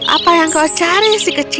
apa yang kau cari si kecil